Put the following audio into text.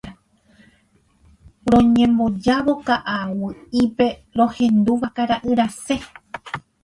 Roñembojávo ka'aguy'ípe rohendu vakara'y rasẽ.